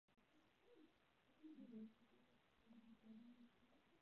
环辛烷是八个碳的环烷烃。